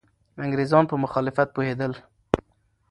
انګریزان په مخالفت پوهېدل.